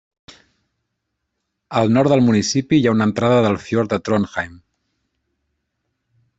Al nord del municipi hi ha una entrada del fiord de Trondheim.